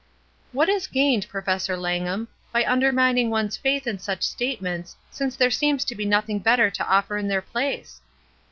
"What is gained, Professor Langham, by undermining one's faith in such statements, since there seems to be nothing better to offer in their place?"